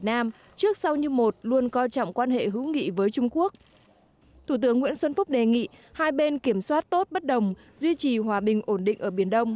thủ tướng nguyễn xuân phúc đề nghị hai bên kiểm soát tốt bất đồng duy trì hòa bình ổn định ở biển đông